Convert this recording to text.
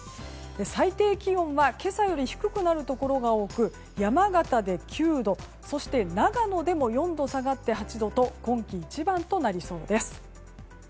最低気温は今朝より低くなるところが多く山形で９度、そして長野でも４度下がって８度と今季一番となりそうです。